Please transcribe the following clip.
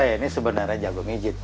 saya ini sebenarnya jago ngejit b